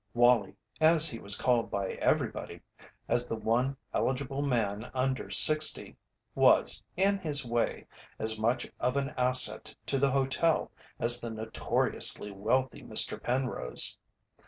"Wallie," as he was called by everybody, as the one eligible man under sixty, was, in his way, as much of an asset to the hotel as the notoriously wealthy Mr. Penrose.